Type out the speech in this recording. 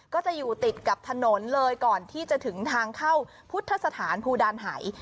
ก็จะอยู่ติดกับถนนเลยก่อนที่จะถึงทางเข้าพุทธสถานภูดานหาย